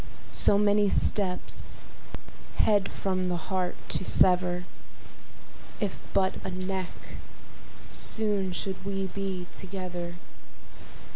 So many steps, head from the heart to sever, If but a neck, soon should we be together.